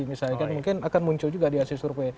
misalkan mungkin akan muncul juga di hasil survei